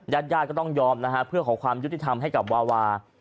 ญาติญาติก็ต้องยอมนะฮะเพื่อขอความยุติธรรมให้กับวาวา